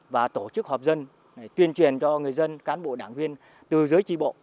và tổ chức họp dân tuyên truyền cho người dân cán bộ đảng viên từ dưới trì bộ